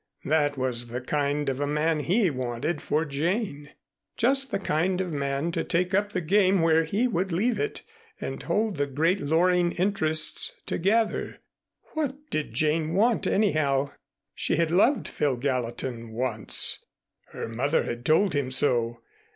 That was the kind of a man he wanted for Jane, just the kind of man to take up the game where he would leave it and hold the great Loring interests together. What did Jane want anyhow? She had loved Phil Gallatin once. Her mother had told him so.